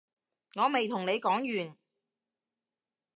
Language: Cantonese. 我未同你講完